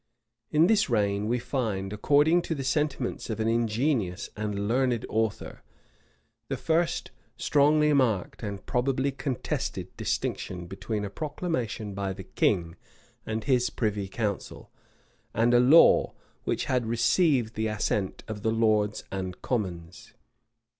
In this reign, we find, according to the sentiments of an ingenious and learned author, the first strongly marked and probably contested distinction between a proclamation by the king and his privy council, and a law which had received the assent of the lords and commons.